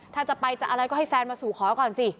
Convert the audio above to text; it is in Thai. ถ้าจะไปจะอะไรก็ให้แฟนมาสู่ขอก่อนสิ